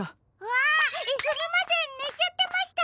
あっすみませんねちゃってました！